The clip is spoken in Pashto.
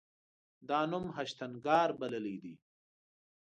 دا نوم هشتنګار بللی دی.